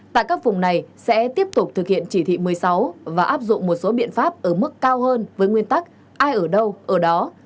tại các vùng này sẽ tiếp tục thực hiện chỉ thị một mươi sáu và áp dụng một số biện pháp ở mức cao hơn với nguyên tắc ai ở đâu ở đó